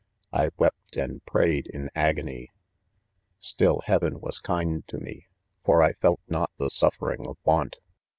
I wept and prayed in agony, " Still heaven was kind to me, fori felt riot the suffering of want.